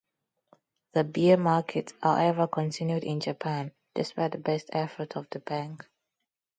The bear market, however, continued in Japan, despite the best efforts of the Bank.